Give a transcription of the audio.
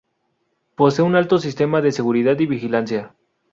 Posee un alto sistema de seguridad y vigilancia.